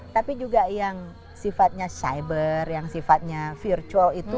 tapi juga yang sifatnya cyber yang sifatnya virtual itu